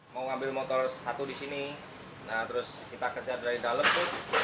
mau ngambil motor satu di sini nah terus kita kejar dari dalam